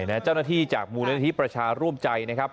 เจ้าหน้าที่จากมูลนิธิประชาร่วมใจนะครับ